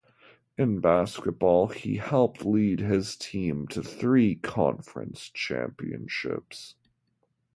In basketball, he helped lead his team to three conference championships.